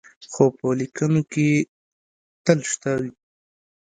خو په لیکنو کې یې تل شته وي.